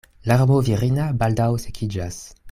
Larmo virina baldaŭ sekiĝas.